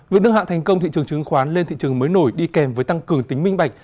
việc nâng hạng thành công thị trường chứng khoán lên thị trường mới nổi đi kèm với tăng cường tính minh bạch